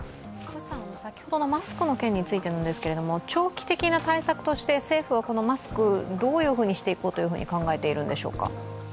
先ほどのマスクの件についてですが、長期的な対策として政府はこのマスク、どうしていこうと考えているんでしょうか？